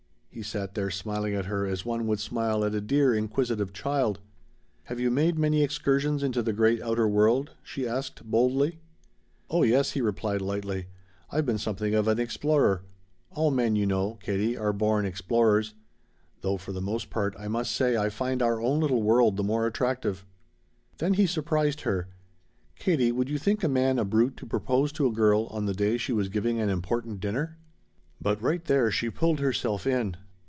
He sat there smiling at her as one would smile at a dear inquisitive child. "Have you made many excursions into the great outer world?" she asked boldly. "Oh yes," he replied lightly, "I've been something of an explorer. All men, you know, Katie, are born explorers. Though for the most part I must say I find our own little world the more attractive." Then he surprised her. "Katie, would you think a man a brute to propose to a girl on the day she was giving an important dinner?" But right there she pulled herself in.